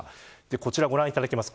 こちら、ご覧いただきます。